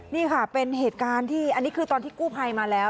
นี่ค่ะเป็นเหตุการณ์ที่อันนี้คือตอนที่กู้ภัยมาแล้ว